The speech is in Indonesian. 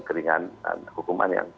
keringan hukuman yang